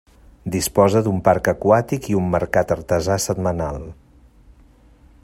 Disposa d'un parc aquàtic i un mercat artesà setmanal.